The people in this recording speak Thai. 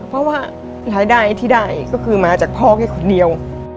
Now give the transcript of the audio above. เพราะว่ารายได้ที่ได้ก็คือมาจากพ่อแค่คนเดียว